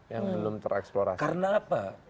yang belum tereksplorasi karena apa